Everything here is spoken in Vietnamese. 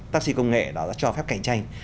taxi công nghệ đã cho phép cạnh tranh